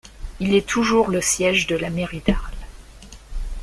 Il est toujours le siège de la Mairie d'Arles.